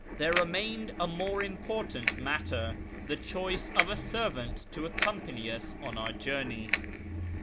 There remained a more important matter, the choice of a servant to accompany us on the journey.